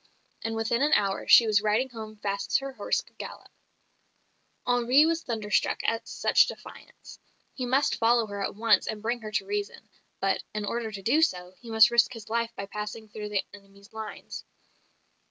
And within an hour she was riding home fast as her horse could gallop. Henri was thunderstruck at such defiance. He must follow her at once and bring her to reason; but, in order to do so, he must risk his life by passing through the enemy's lines.